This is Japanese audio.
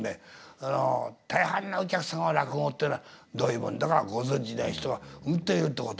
あの大半のお客さんは落語っていうのはどういうもんだかご存じない人がうんといるってこと。